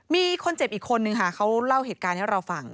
มีคนเจ็บอีกคนนึงค่ะเขาเล่าเหตุการณ์ให้เราฟัง